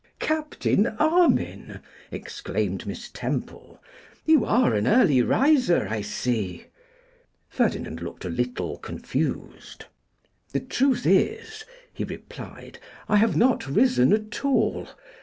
'Captain Armine!' exclaimed Miss Temple, 'you are an early riser, I see.' Ferdinand looked a little confused. 'The truth is,' he replied, 'I have not risen at all.